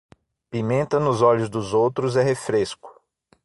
Pimenta nos olhos dos outros é refresco